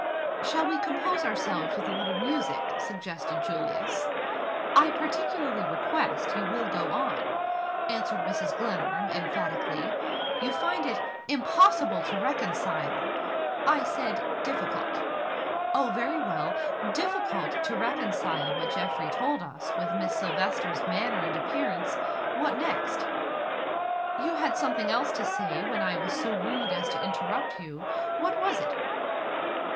"Shall we compose ourselves with a little music?" suggested Julius. "I particularly request you will go on," answered Mrs. Glenarm, emphatically. "You find it 'impossible to reconcile' " "I said 'difficult.'" "Oh, very well. Difficult to reconcile what Geoffrey told us, with Miss Silvester's manner and appearance. What next? You had something else to say, when I was so rude as to interrupt you. What was it?"